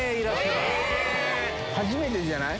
初めてじゃない？